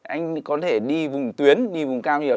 anh có thể đi vùng tuyến đi vùng cao nhiều